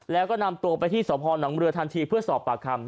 แล้วก็นำตัวไปที่สพนเรือทันทีเพื่อสอบปากคำ